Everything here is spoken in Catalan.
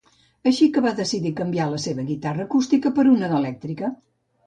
Així que va decidir canviar la seva guitarra acústica per una d'elèctrica.